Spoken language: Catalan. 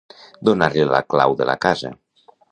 Donar-li la clau de la casa.